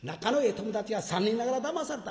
友達が３人ながらだまされた。